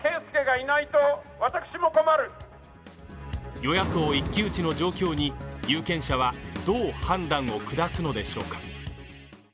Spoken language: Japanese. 与野党一騎打ちの状況に有権者はどう判断を下すのでしょうか。